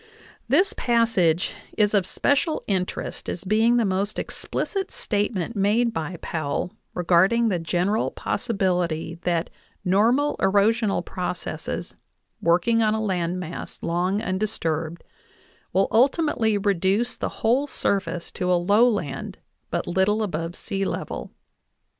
This passage is of special interest as being the most explicit statement made by Powell regarding the general possibility that normal erosional processes, working on a land mass long undisturbed, will ultimately reduce the whole surface to a lowland but little above sealevel.